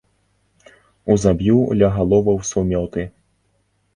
Узаб'ю ля галоваў сумёты.